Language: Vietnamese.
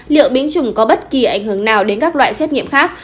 liệu biến chủng có bất kỳ ảnh hưởng nào đến các loại xét nghiệm khác